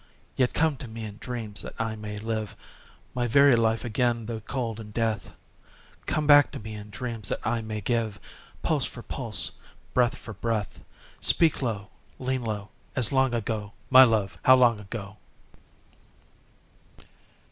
Yet come to me in dreams, that I may live My very life again though cold in death: Come back to me in dreams, that I may give Pulse for pulse, breath for breath: Speak low, lean low, As long ago, my love, how long ago!